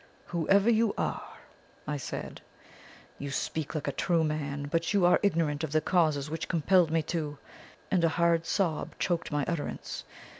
"'Whoever you are,' I said, 'you speak like a true man. But you are ignorant of the causes which compelled me to ' and a hard sob choked my utterance.